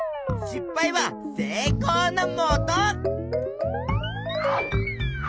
失敗は成功のもと！